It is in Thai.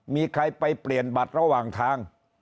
มีใครไปเปลี่ยนบัตรระหว่างทาง